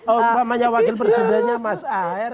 oh namanya wakil presidennya mas ahi